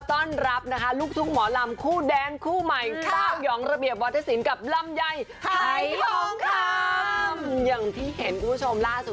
คุณกูจอดเป็นคุณพุทธที่จาฝากกับเวลาเห็นมา